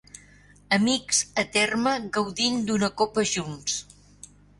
Amics a terme gaudint d'una copa junts